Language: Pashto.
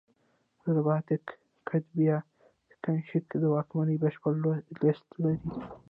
د رباطک کتیبه د کنیشکا د واکمنۍ بشپړه لېست لري